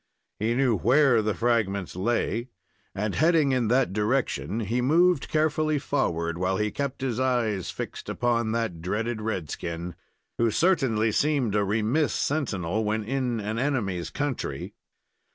He knew where the fragments lay, and, heading in that direction, he moved carefully forward, while he kept his eyes fixed upon that dreaded red skin, who certainly seemed a remiss sentinel when in an enemy's country.